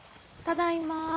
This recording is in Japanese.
ただいま。